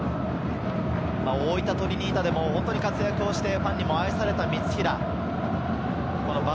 大分トリニータでも活躍をしてファンにも愛された三平。